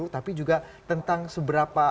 tapi juga tentang seberapa